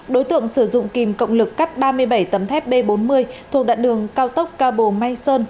đối tượng sử dụng kìm cộng lực cắt ba mươi bảy tầm thép b bốn mươi thuộc đạn đường cao tốc cao bồ mai sơn